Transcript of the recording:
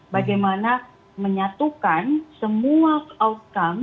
bagaimana menyatukan semua outcome